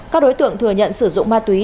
các đối tượng thừa nhận sử dụng ma túy